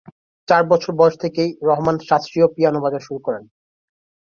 চার বছর বয়স থেকেই রহমান শাস্ত্রীয় পিয়ানো বাজানো শুরু করেন।